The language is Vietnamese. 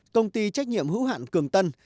công ty trách nhiệm hữu hạn cường tân